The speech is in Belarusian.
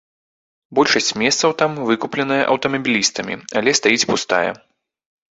Большасць месцаў там выкупленая аўтамабілістамі, але стаіць пустая.